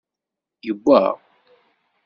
Yewwa?